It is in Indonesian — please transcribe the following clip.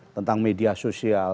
tentang media sosial